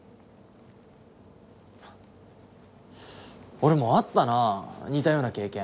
俺もあったな似たような経験。